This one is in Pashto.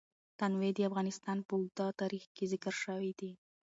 تنوع د افغانستان په اوږده تاریخ کې ذکر شوی دی.